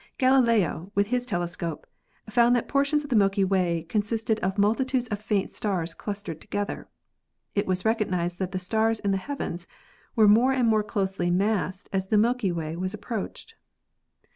Galileo, with his telescope, found that portions of the Milky Way con sisted of multitudes of faint stars clustered together. It was recognised that the stars in the heavens were more and more closely massed as the Milky Way was ap proached.